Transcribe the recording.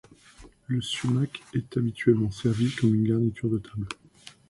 Le sumac est habituellement servi comme une garniture de table.